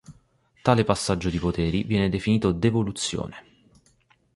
Tale passaggio di poteri viene definito devoluzione.